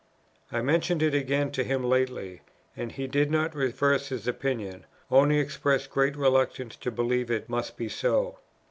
I mentioned it again to him lately, and he did not reverse his opinion, only expressed great reluctance to believe it must be so."